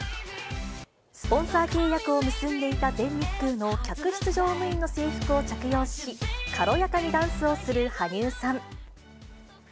スポンサー契約を結んでいた全日空の客室乗務員の制服を着用し、軽やかにダンスをする羽生さん。